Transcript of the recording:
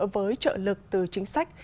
với trợ lực từ chính sách